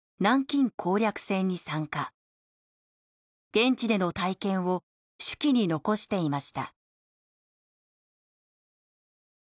現地での体験を手記に残していました。